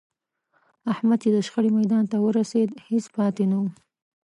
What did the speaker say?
احمد چې د شخړې میدان ته ورسېد، هېڅ پاتې نه و.